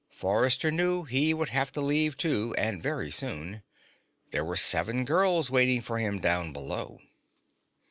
Forrester knew he would have to leave, too, and very soon. There were seven girls waiting for him down below.